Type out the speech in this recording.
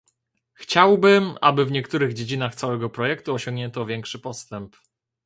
Chciałbym, aby w niektórych dziedzinach całego projektu osiągnięto większy postęp